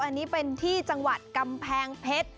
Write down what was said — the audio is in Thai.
อันนี้เป็นที่จังหวัดกำแพงเพชร